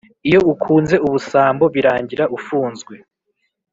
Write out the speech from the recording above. iyo ukunze ubusambo birangira ufunzwe